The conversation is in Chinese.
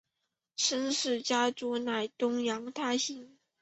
申氏家族乃东阳大姓。